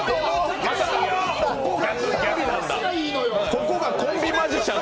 そこがコンビマジシャン